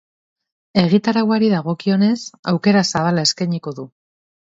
Egitarauari dagokionez, aukera zabala eskainiko du.